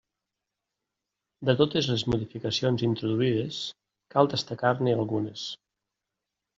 De totes les modificacions introduïdes, cal destacar-ne algunes.